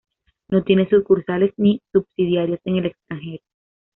No tiene sucursales ni subsidiarias en el extranjero.